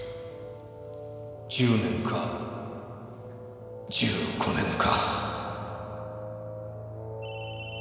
１０年か１５年か